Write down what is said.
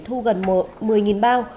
thu gần một mươi bao